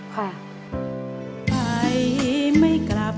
ค่ะ